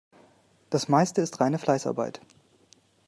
Das Meiste ist reine Fleißarbeit.